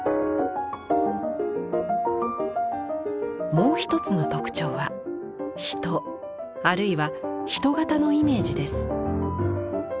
もう一つの特徴は「ひと」あるいは人型のイメージです。